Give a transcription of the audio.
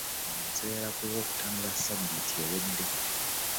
Ono yaseerera ku Lwokutaano lwa Ssabbiiti ewedde.